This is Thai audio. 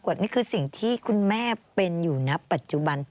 นี่คือสิ่งที่คุณแม่เป็นอยู่ณปัจจุบัน